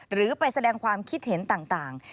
หรือไปแสดงความคิดเห็นต่าง